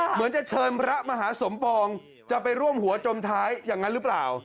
เหมือนจะเชิญพระมหาสมปองจะไปร่วมหัวจมท้ายอย่างนั้นหรือเปล่า